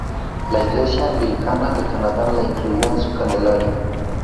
La Iglesia anglicana de Canadá la incluyó en su calendario.